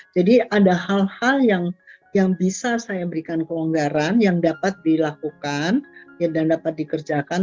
jadi ada hal hal yang bisa saya berikan kelonggaran yang dapat dilakukan dan dapat dikerjakan